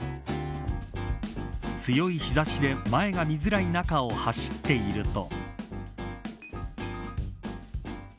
強い日差しで前が見づらい中走っていると。